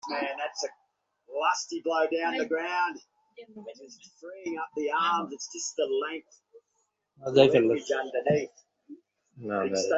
ঘটনাস্থল থেকে শামসুল ইসলাম নামে শিবিরের একজন কর্মীকে আটক করা হয়েছে।